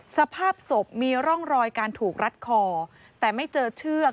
สภาพศพมีร่องรอยการถูกรัดคอแต่ไม่เจอเชือก